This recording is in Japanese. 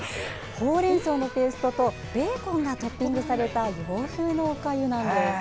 ほうれんそうのペーストとベーコンがトッピングされた洋風のおかゆなんです。